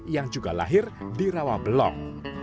yang juga lahir di rawabelong